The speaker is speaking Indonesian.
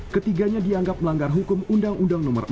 ketiganya dianggap melanggar hukum undang undang nomor empat